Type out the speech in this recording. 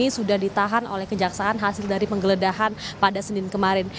sudah ditahan oleh kejaksaan hasil dari penggeledahan pada senin kemarin